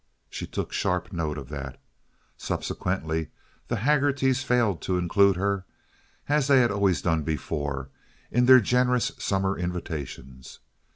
She took sharp note of that. Subsequently the Haggertys failed to include her, as they had always done before, in their generous summer invitations.